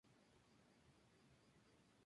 Fue el primer agustino canonizado.